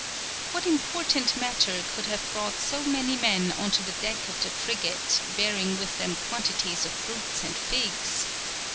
What important matter could have brought so many men on to the deck of the frigate, bearing with them quantities of fruits and figs?